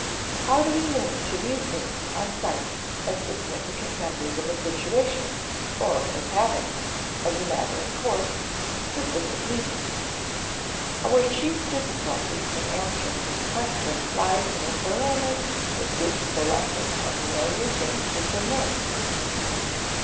How do we learn to view things on sight as significant members of a situation, or as having, as a matter of course, specific meanings? Our chief difficulty in answering this question lies in the thoroughness with which the lesson of familiar things has been learnt.